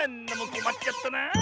こまっちゃったなあ。